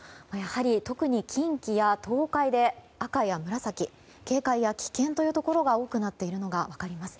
特に近畿や東海で赤や紫警戒や危険というところが多くなっているのが分かります。